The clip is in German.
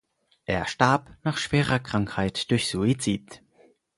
Er starb nach schwerer Krankheit durch Suizid.